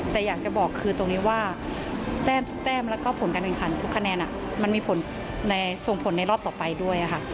แต่อยากจะบอกคือตรงนี้ว่าทุกแต้มแล้วก็ผลการแข่งขันทุกคะแนนมันมีผลส่งผลในรอบต่อไปด้วยค่ะ